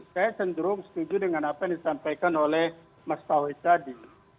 saya cenderung setuju dengan apa yang disampaikan oleh mas tauhid tadi